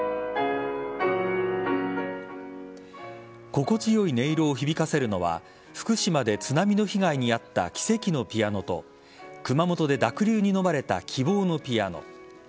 心地よい音色を響かせるのは福島で津波の被害に遭った奇跡のピアノと熊本で濁流にのまれた希望のピアノ。